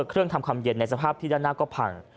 เครื่องทำคำเย็นในสภาพที่ด้านหน้าก็พัง